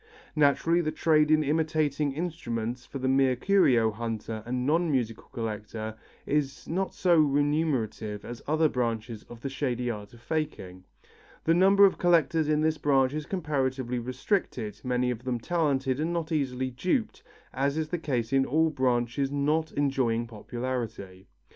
Naturally the trade in imitating instruments for the mere curio hunter and non musical collector, is not so remunerative as other branches of the shady art of faking. The number of collectors in this branch is comparatively restricted, many of them talented and not easily duped as is the case in all branches not enjoying popularity.